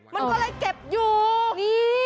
มันก็เลยเก็บอยู่นี่